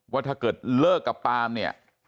ว่าถ้าเกิดเลิกกับปาล์มเนี่ย